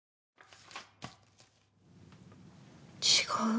違う。